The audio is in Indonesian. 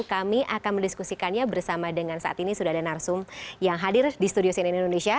kami akan mendiskusikannya bersama dengan saat ini sudah ada narsum yang hadir di studio cnn indonesia